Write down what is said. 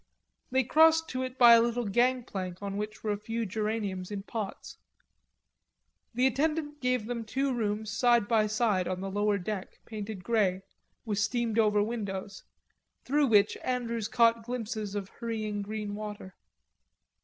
They crossed to it by a little gangplank on which were a few geraniums in pots. The attendant gave them two rooms side by side on the lower deck, painted grey, with steamed over windows, through which Andrews caught glimpses of hurrying green water.